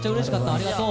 ありがとう。